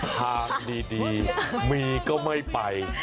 ทางดีมีก็ไม่ไป